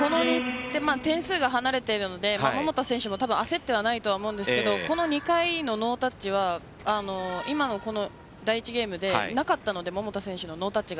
点数が離れているので桃田選手も焦ってはないと思うんですがこの２回のノータッチは今の第１ゲームでなかったので桃田選手のノータッチが。